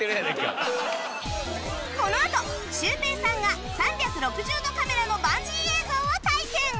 このあとシュウペイさんが３６０度カメラのバンジー映像を体験！